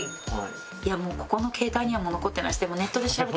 いやもうこの携帯には残ってないです。